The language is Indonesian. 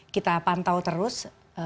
kita pantau terus